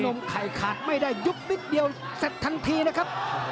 มไข่ขาดไม่ได้ยุบนิดเดียวเสร็จทันทีนะครับ